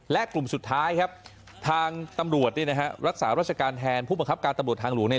และกลุ่มสุดท้ายครับทางตำรวจรักษาราชการแทนผู้บังคับการตำรวจทางหลวง